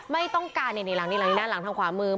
ไม่ต้องการหลังที่นั่นหลังขวามือ